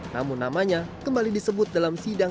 namun namanya kembali disebut dalam sidang